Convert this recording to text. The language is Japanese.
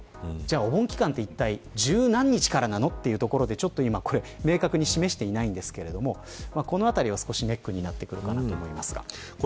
お盆期間っていったい十何日からなのというところで明確に示していないんですがこのあたりは少しネックになってくると思います。